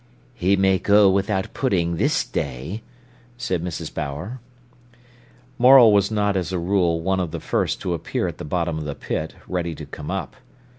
"He may go without pudding this day," said Mrs. Bower. Morel was not as a rule one of the first to appear at the bottom of the pit, ready to come up.